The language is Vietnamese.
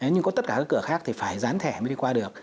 nhưng có tất cả các cửa khác thì phải dán thẻ mới đi qua được